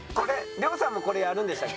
亮さんもこれやるんでしたっけ？